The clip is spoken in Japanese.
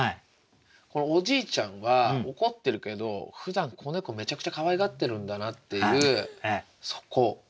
おじいちゃんは怒ってるけどふだん子猫めちゃくちゃかわいがってるんだなっていうそこ。